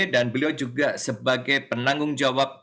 dan beliau juga sebagai penanggung jawab